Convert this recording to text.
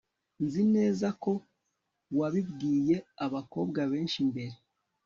Nzi neza ko wabibwiye abakobwa benshi mbere